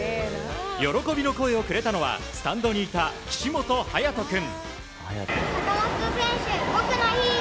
喜びの声をくれたのはスタンドにいた岸本勇人君。